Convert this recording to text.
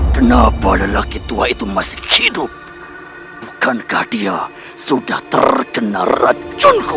kenapa lelaki tua itu masih hidup bukankah dia sudah terkena racunku